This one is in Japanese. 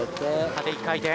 縦１回転。